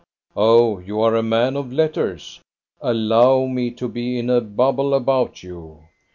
Oh! you are a man of letters? Allow me to be in a bubble about you!'